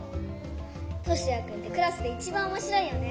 トシヤくんってクラスでいちばんおもしろいよね。